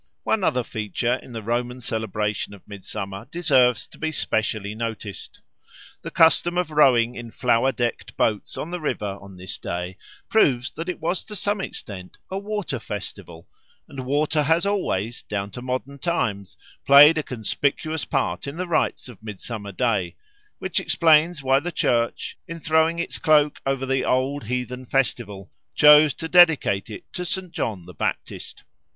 One other feature in the Roman celebration of Midsummer deserves to be specially noticed. The custom of rowing in flower decked boats on the river on this day proves that it was to some extent a water festival; and water has always, down to modern times, played a conspicuous part in the rites of Midsummer Day, which explains why the Church, in throwing its cloak over the old heathen festival, chose to dedicate it to St. John the Baptist.